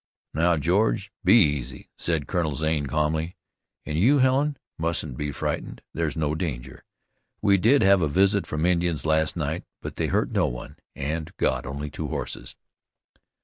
"Now, George, be easy," said Colonel Zane calmly. "And you, Helen, mustn't be frightened. There's no danger. We did have a visit from Indians last night; but they hurt no one, and got only two horses."